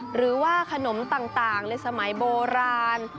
หรือว่าขนมต่างในสมัยโบราณ